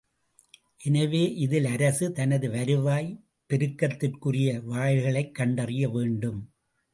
எனவே, இதில் அரசு, தனது வருவாய்ப் பெருக்கத்திற்குரிய வாயில்களைக் கண்டறிய வேண்டும்.